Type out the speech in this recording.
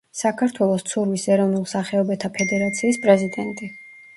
საქართველოს ცურვის ეროვნულ სახეობათა ფედერაციის პრეზიდენტი.